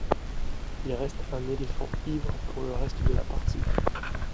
Il reste un éléphant ivre pour le reste de la partie.